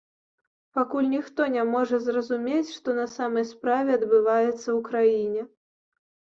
Пакуль ніхто не можа зразумець, што на самай справе адбываецца ў краіне.